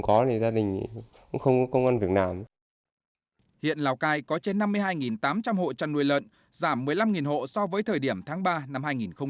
giảm một mươi năm hộ so với thời điểm tháng ba năm hai nghìn một mươi chín